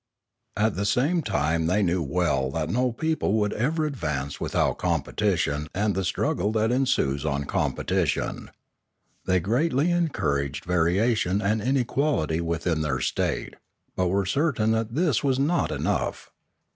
At the same time they knew well that no people would ever advance without competition and the strug gle that ensues on competition. They greatly encour aged variation and inequality within their state, but were certain that this was not enough.